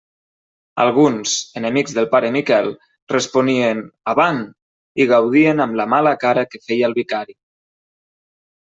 Alguns, enemics del pare Miquel, responien «Avant!», i gaudien amb la mala cara que feia el vicari.